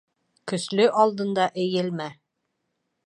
Көслө алдында эйелмә